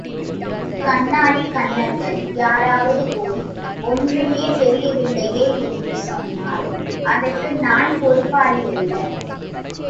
கண்ணாடிக் கண்ணர்கள் யாராவது போய், ஒன்றுமே தெரியவில்லையே என்று சொன்னால் அதற்கு நான் பொறுப்பாளியல்ல.